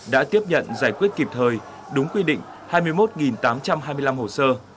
đã tiếp nhận giải quyết kịp thời đúng quy định hai mươi một tám trăm hai mươi năm hồ sơ